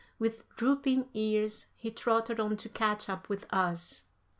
With drooping ears he trotted on to catch up with us.